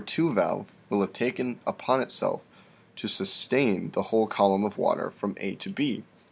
2 valve will have taken upon it self to sustain the whole column of water from A to B.